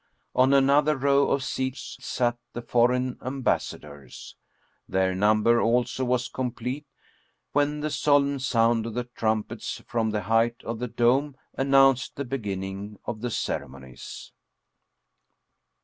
On another row of seats sat the foreign ambassadors. Their number also was complete when the solemn sound of the trumpets from the height of the dome announced the beginning of the ceremonies.